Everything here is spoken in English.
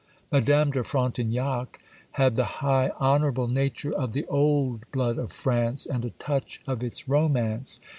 Madame de Frontignac had the high, honourable nature of the old blood of France, and a touch of its romance.